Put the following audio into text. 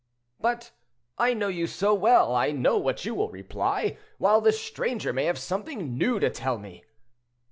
"But I know you so well, I know what you will reply, while the stranger may have something new to tell me."